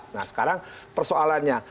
nah sekarang persoalannya